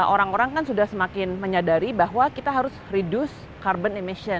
orang orang kan sudah semakin menyadari bahwa kita harus reduce carbon emission